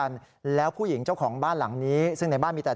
ไม่ไม่แล้วจะห่องเขาไหมว่ามันไม่ได้เกี่ยวอะไรเลย